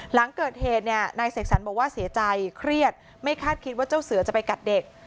หลังเกิดเหตุเนี่ยนายเสกสรรบอกว่าเสียใจเครียดไม่คาดคิดว่าเจ้าเสือจะไปกัดเด็ก